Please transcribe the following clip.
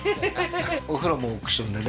お風呂もオークションでね